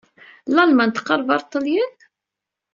Lalman teqreb ɣer Ṭṭalyan?